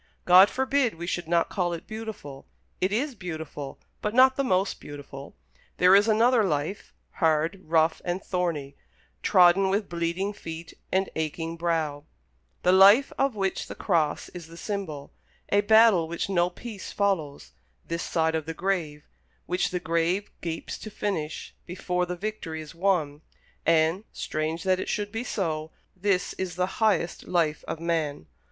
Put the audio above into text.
God forbid we should not call it beautiful. It is beautiful, but not the most beautiful. There is another life, hard, rough, and thorny, trodden with bleeding feet and aching brow; the life of which the cross is the symbol; a battle which no peace follows, this side the grave; which the grave gapes to finish, before the victory is won; and strange that it should be so this is the highest life of man.